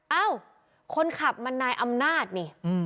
เอ้าคนขับมันนายอำนาจนี่